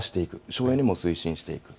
省エネも推進していく。